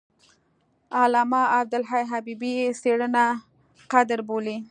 علامه عبدالحي حبیبي یې څېړنه قدر بولي.